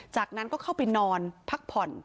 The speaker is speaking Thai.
จากนั้นก็เข้าไปนอนพักผ่อน